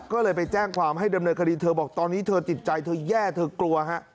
ก็เลยไปแจ้งความให้ดำเนินคดีเธอบอกตอนนี้เธอติดใจเธอแย่เธอกลัวฮะ